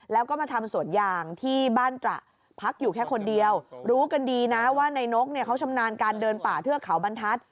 แล้วก็มาทำสวนยางที่บ้านตระพักอยู่แค่คนเดียวรู้กันดีนะว่านายนกเนี่ยเขาชำนาญการเดินป่าเทือกเขาบรรทัศน์